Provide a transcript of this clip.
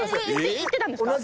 行ってたんですか？